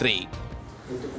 dan ketua umum pdip